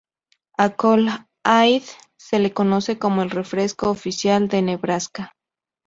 A Kool Aid se le conoce como el refresco oficial de Nebraska.